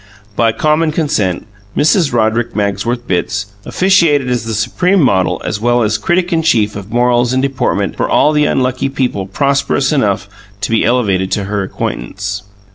By common consent, Mrs. Roderick Magsworth Bitts officiated as the supreme model as well as critic in chief of morals and deportment for all the unlucky people prosperous enough to be elevated to her acquaintance.